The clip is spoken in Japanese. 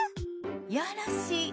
よろしい。